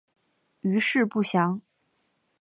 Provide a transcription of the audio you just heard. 余事不详。